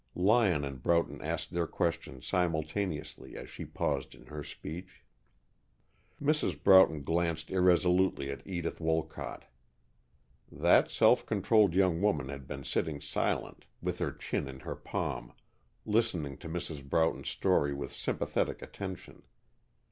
Lyon and Broughton asked their questions simultaneously, as she paused in her speech. Mrs. Broughton glanced irresolutely at Edith Wolcott. That self controlled young woman had been sitting silent, with her chin in her palm, listening to Mrs. Broughton's story with sympathetic attention.